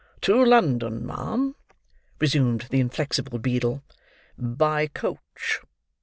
"To London, ma'am," resumed the inflexible beadle, "by coach.